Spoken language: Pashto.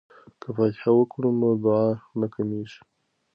که فاتحه وکړو نو دعا نه کمیږي.